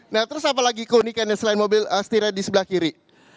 nah terus apalagi keunikannya selain mobil astira di sebelah kiri